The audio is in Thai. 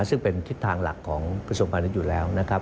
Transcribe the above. ซึ่งเป็นทิศทางหลักของกระทรวงพาณิชย์อยู่แล้วนะครับ